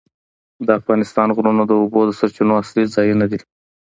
د افغانستان غرونه د اوبو د سرچینو اصلي ځایونه دي.